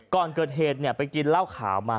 ก่อนเกิดเหตุไปกินเหล้าขาวมา